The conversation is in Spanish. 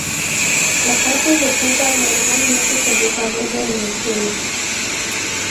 La fase de pupa normalmente se desarrolla en el suelo.